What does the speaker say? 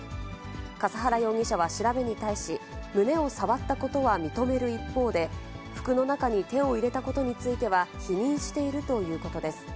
笠原容疑者は調べに対し、胸を触ったことは認める一方で、服の中に手を入れたことについては否認しているということです。